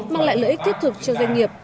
mang lại lợi ích thiết thực cho doanh nghiệp